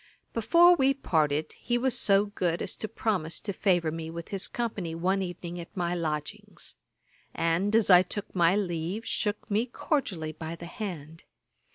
] Before we parted, he was so good as to promise to favour me with his company one evening at my lodgings; and, as I took my leave, shook me cordially by the hand.